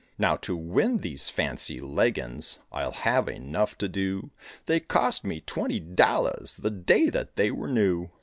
Now to win these fancy leggins I'll have enough to do; They cost me twenty dollars The day that they were new.